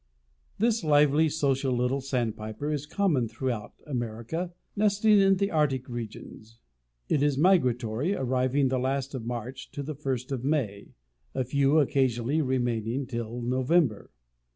This lively, social little Sandpiper is common throughout America, nesting in the Arctic regions. It is migratory, arriving the last of March to the first of May, a few occasionally remaining till November.